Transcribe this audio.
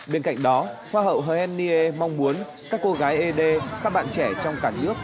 bên cạnh đó hoa hậu hồ hèn nghê mong muốn các cô gái ed các bạn trẻ trong cả nước